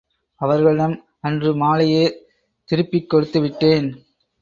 அவர்களிடம் அன்று மாலையே திருப்பிக் கொடுத்து விட்டேன்.